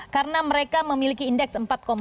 karena mereka memiliki indeks empat empat puluh